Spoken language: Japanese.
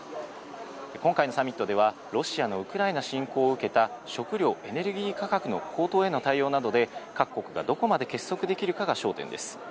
今回のサミットではロシアのウクライナ侵攻を受けた食糧・エネルギー価格の高騰への対応などで、各国がどこまで結束できるかが焦点です。